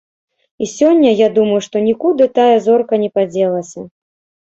І сёння я думаю, што нікуды тая зорка не падзелася.